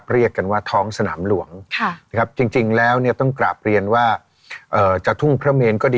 เรียกกันว่าท้องสนามหลวงนะครับจริงแล้วเนี่ยต้องกราบเรียนว่าจะทุ่งพระเมนก็ดี